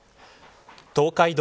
東海道